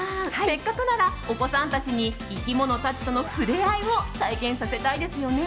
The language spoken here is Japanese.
せっかくなら、お子さんたちに生き物たちとの触れ合いを体験させたいですよね。